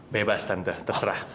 bebas tante terserah